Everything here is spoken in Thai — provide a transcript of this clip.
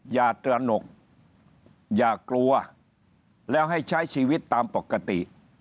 อย่าตระหนกอย่ากลัวแล้วให้ใช้ชีวิตตามปกติ